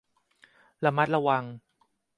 ระมัดระวัง